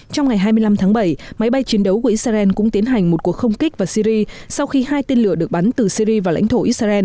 trong ngày hai mươi năm tháng bảy máy bay chiến đấu của israel cũng tiến hành một cuộc không kích vào syri sau khi hai tên lửa được bắn từ syri vào lãnh thổ israel